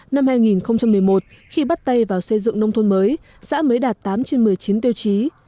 năm hai nghìn một mươi một khi bắt tay vào xây dựng nông thôn mới xã mới đạt tám trên một mươi chín tiêu chí